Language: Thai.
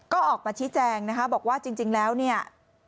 ก็ออกมาชี้แจงนะคะบอกว่าจริงแล้วเนี่ย